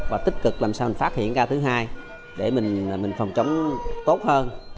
và tích cực làm sao mình phát hiện ca thứ hai để mình phòng chống tốt hơn